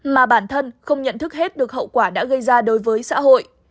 mà bản thân không nhận thức hết được hậu quả đã gây ra đối với xã hội